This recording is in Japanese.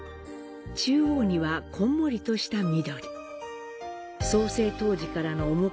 中央にはこんもりとした緑。